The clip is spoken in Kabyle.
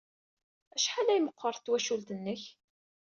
Acḥal ay meɣɣret twacult-nnek?